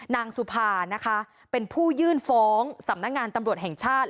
นางสุภานะคะเป็นผู้ยื่นฟ้องสำนักงานตำรวจแห่งชาติ